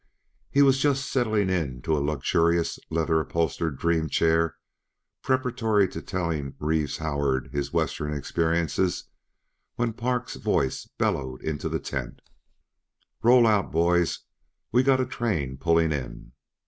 He was just settling into a luxurious, leather upholstered dream chair preparatory to telling Reeve Howard his Western experiences when Park's voice bellowed into the tent: "Roll out, boys we got a train pulling in!"